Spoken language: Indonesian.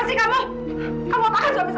siapa sih kamu